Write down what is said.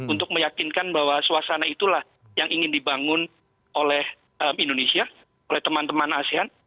untuk meyakinkan bahwa suasana itulah yang ingin dibangun oleh indonesia oleh teman teman asean